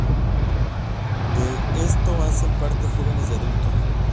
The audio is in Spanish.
De esto hacen parte jóvenes y adultos.